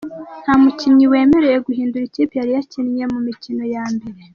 Nta mukinnyi wemerewe guhindura ikipe yari yakiniye mu mikino ya mbere.